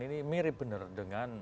ini mirip bener dengan